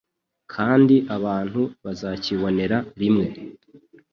kandi abantu bazakibonera rimwe'."